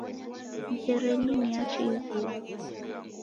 Mzerenyi nachie ighuo.